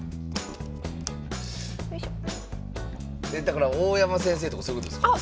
だから大山先生とかそういうことですか？